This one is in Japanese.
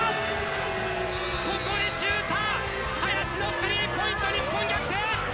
ここでシューター、林のスリーポイント、日本逆転。